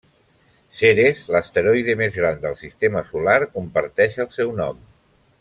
Ceres, l'asteroide més gran del sistema solar comparteix el seu nom.